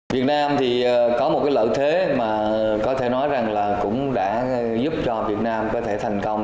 việt nam thì có một cái lợi thế mà có thể nói rằng là cũng đã giúp cho việt nam có thể thành công